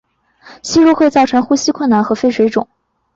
吸入会造成呼吸困难和肺水肿。